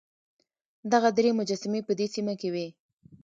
دغه درې مجسمې په دې سیمه کې وې.